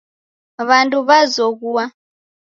W'andu w'azoghua.